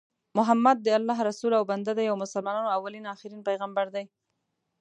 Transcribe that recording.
محمد د الله رسول او بنده دي او مسلمانانو اولين اخرين پیغمبر دي